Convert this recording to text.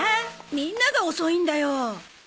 みんなが遅いんだよ。